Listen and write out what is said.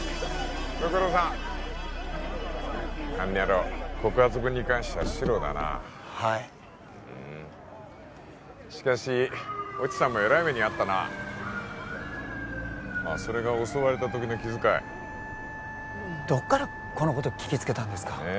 ご苦労さんあの野郎告発文に関してはシロだなはいしかし越智さんもえらい目に遭ったなそれが襲われたときの傷かどっからこのこと聞きつけたんですか？